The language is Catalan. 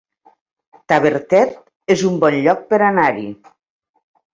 Tavertet es un bon lloc per anar-hi